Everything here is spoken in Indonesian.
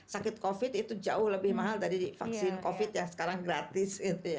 sakit covid itu jauh lebih mahal dari vaksin covid yang sekarang gratis